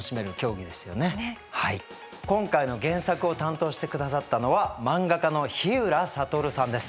今回の原作を担当してくださったのは漫画家のひうらさとるさんです。